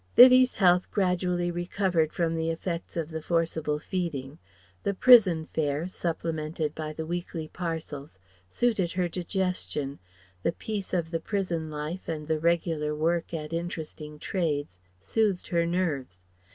Vivie's health gradually recovered from the effects of the forcible feeding; the prison fare, supplemented by the weekly parcels, suited her digestion; the peace of the prison life and the regular work at interesting trades soothed her nerves.